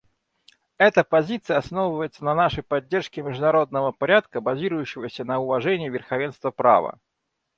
Эта позиция основывается на нашей поддержке международного порядка, базирующегося на уважении верховенства права.